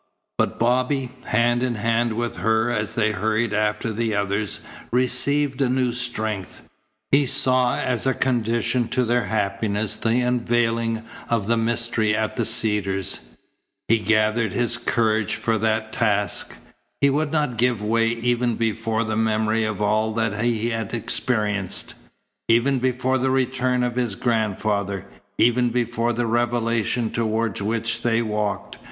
But Bobby, hand in hand with her as they hurried after the others, received a new strength. He saw as a condition to their happiness the unveiling of the mystery at the Cedars. He gathered his courage for that task. He would not give way even before the memory of all that he had experienced, even before the return of his grandfather, even before the revelation toward which they walked.